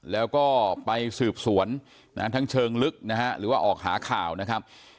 แล้วก็ไปสืบสวนทั้งเชิงลึกนะฮะหรือว่าออกหาข่าวนะครับ